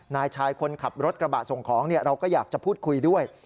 นายชายคนขับรถกระบะส่งของเราก็อยากจะพูดคุยด้วย